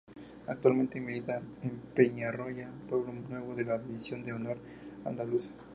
Actualmente milita en Peñarroya-Pueblonuevo de la División de Honor Andaluza.